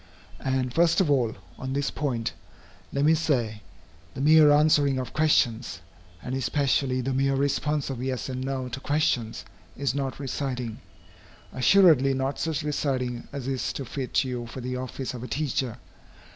And first of all, on this point, let me say, the mere answering of questions, and especially, the mere response of yes and no to questions, is not reciting, assuredly not such reciting as is to fit you for the office of a teacher.